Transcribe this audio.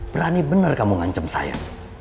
berani benar kamu ngancam saya